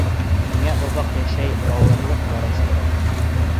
Миңә оҙаҡ йәшәй алырлыҡ бәрәс кәрәк.